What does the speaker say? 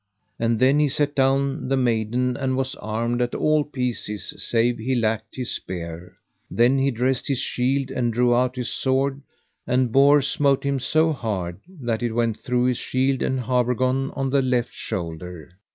And then he set down the maiden, and was armed at all pieces save he lacked his spear. Then he dressed his shield, and drew out his sword, and Bors smote him so hard that it went through his shield and habergeon on the left shoulder.